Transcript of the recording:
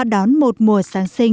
đón một mùa sáng sinh ấm áp yêu thương